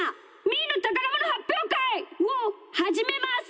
「みーのたからものはっぴょうかい」をはじめます。